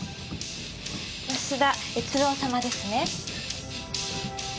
増田悦郎様ですね。